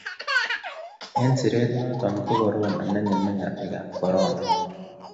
eng siret noto ko korona ne ngeme ngalek ab korona